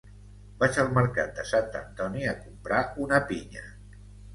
vaig al mercat de Sant Antoni a comprar una pinya